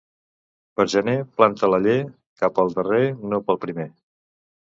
Pel gener planta l'aller; cap al darrer, no pel primer.